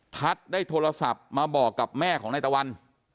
ได้โทรศัพท์มาบอกกับแม่ของนายตะวัน